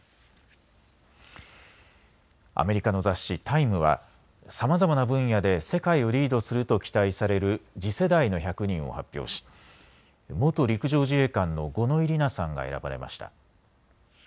アメリカの雑誌、タイムはさまざまな分野で世界をリードすると期待される次世代の１００人を発表し元陸上自衛官の五ノ井里奈さんが選ばれました。